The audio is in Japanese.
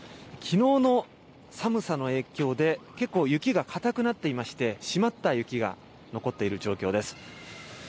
きのうの寒さの影響で、結構雪が固くなっていまして、締まった雪が残っている状況です。